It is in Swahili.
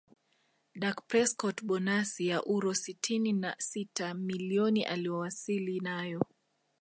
Dak Prescot Bonasi ya uro sitini na sita milioni aliyowasili nayo